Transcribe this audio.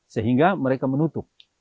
sehingga mereka menutup